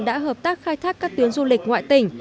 đã hợp tác khai thác các tuyến du lịch ngoại tỉnh